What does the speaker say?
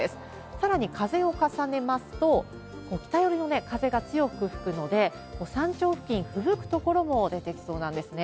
さらに風を重ねますと、北寄りの風が強く吹くので、山頂付近、ふぶく所も出てきそうなんですね。